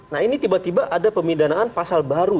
nah ini tiba tiba ada pemindanaan pasal baru